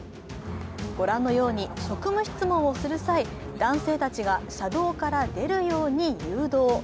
ご覧のように、職務質問をする際、男性たちが車道から出るように誘導。